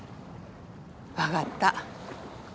分がった。